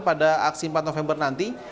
pada aksi empat november nanti